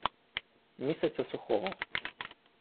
Місяця сухого